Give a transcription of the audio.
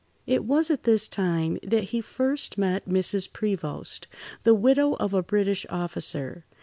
It was at this time that he first met Mrs. Prevost, the widow of a British officer.